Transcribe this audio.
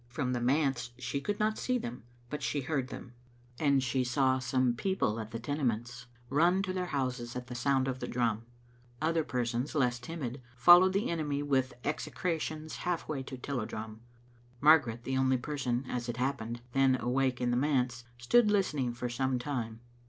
From the manse she could not see them, but she heard th^m, and she saw some people at thQ Tenements^ rua Digitized by VjOOQ IC 80 tn)e xmie OsinMcv. to their houses at sound of the drum. Other persons, less timid, followed the enemy with execrations half way to Tilliedrum. Margaret, the only person, as it happened, then awake in the manse, stood listening for some time.